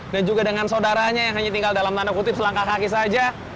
dan juga dengan saudaranya yang hanya tinggal dalam tanda kutip selangkah kaki saja